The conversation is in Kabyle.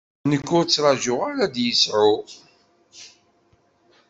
Nekk ur t-ttraǧuɣ ara ad yesɛu.